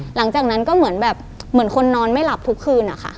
หลังจากนั้นก็เหมือนแบบเหมือนคนนอนไม่หลับทุกคืนอะค่ะ